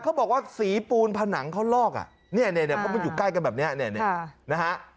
เขาบอกว่าสีปูนผนังเขาลอกอ่ะเนี่ยเนี่ยเนี่ยเขามาอยู่ใกล้กันแบบเนี่ยเนี่ยเนี่ยนะฮะ